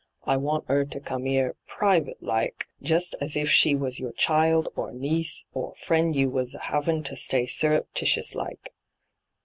I want 'er to come 'ere private like, just as if she was your child or niece or fiiend yon was *avin' to stay Burreptitious like."